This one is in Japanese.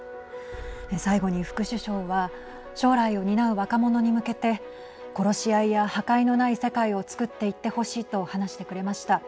最後に、副首相は将来を担う若者に向けて殺し合いや破壊のない世界をつくっていってほしいと話してくれました。